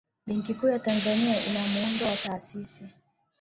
benki kuu ya tanzania ina muundo wa taasisi